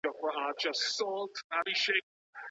د نکاح پر مهال بايد بشپړ ډاډ ترلاسه سي.